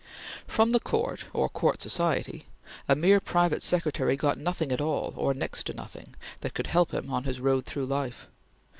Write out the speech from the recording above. From the Court, or Court society, a mere private secretary got nothing at all, or next to nothing, that could help him on his road through life.